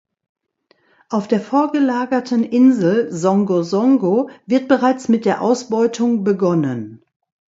Auf der vorgelagerten Insel Songo Songo wird bereits mit der Ausbeutung begonnen.